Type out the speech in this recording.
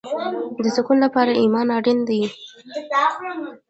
د سکون لپاره ایمان اړین دی